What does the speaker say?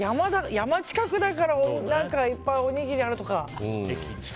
山近くだからいっぱいおにぎりがあるとか。